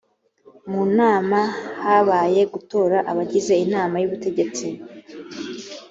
mu nama habaye gutora abagize inama y’ubutegetsi